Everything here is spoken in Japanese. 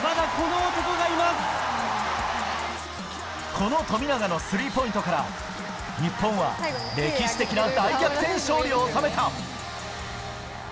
この富永のスリーポイントから、日本は歴史的な大逆転勝利を収めた。